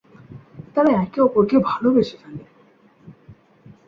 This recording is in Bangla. তারা একে অপরকে ভালবাসে ফেলে।